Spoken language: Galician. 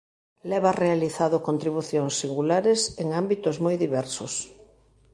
Leva realizado contribucións singulares en ámbitos moi diversos.